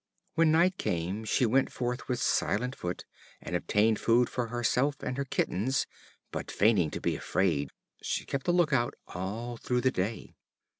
When night came, she went forth with silent foot and obtained food for herself and her kittens; but, feigning to be afraid, she kept a look out all through the day.